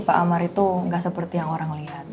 pak amar itu nggak seperti yang orang lihat